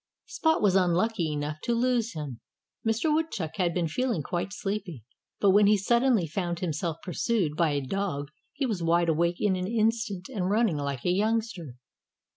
Spot was unlucky enough to lose him. Mr. Woodchuck had been feeling quite sleepy. But when he suddenly found himself pursued by a dog he was wide awake in an instant and running like a youngster.